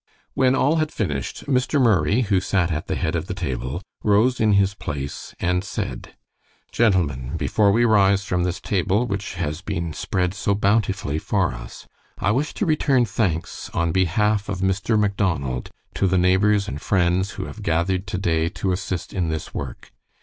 When all had finished, Mr. Murray, who sat at the head of the table, rose in his place and said: "Gentlemen, before we rise from this table, which has been spread so bountifully for us, I wish to return thanks on behalf of Mr. Macdonald to the neighbors and friends who have gathered to day to assist in this work.